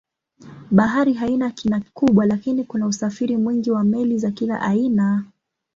Bahari haina kina kubwa lakini kuna usafiri mwingi wa meli za kila aina.